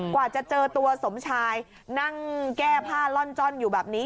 กว่าจะเจอตัวสมชายนั่งแก้ผ้าล่อนจ้อนอยู่แบบนี้